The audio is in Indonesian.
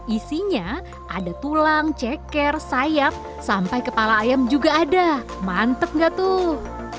isinya ada tulang ceker sayap sampai kepala ayam juga ada mantep nggak tuh